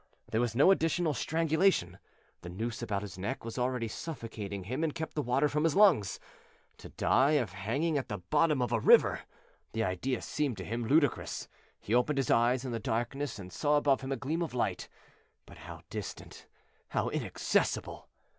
There was no additional strangulation; the noose about his neck was already suffocating him and kept the water from his lungs. To die of hanging at the bottom of a river! the idea seemed to him ludicrous. He opened his eyes in the darkness and saw above him a gleam of light, but how distant, how inaccessible!